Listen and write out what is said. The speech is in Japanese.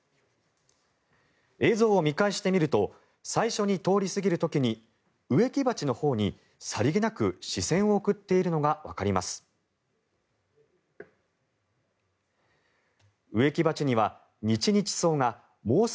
映像を見返してみると最初に通り過ぎる時に植木鉢のほうにさりげなく視線を送っているのがわかります。